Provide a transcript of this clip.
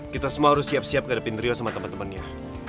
kita semua harus siap siap ngadepin rio sama temen temennya